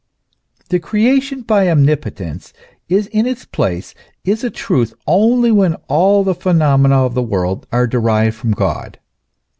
The creation by omnipotence is in its place, is a truth, only when all the phenomena of the world are derived from God.